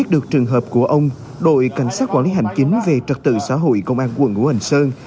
được trường hợp của ông đội cảnh sát quản lý hành chính về trật tự xã hội công an quận ngũ hành sơn